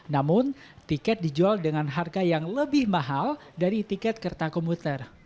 namun tiket dijual dengan harga yang lebih mahal dari tiket kereta komuter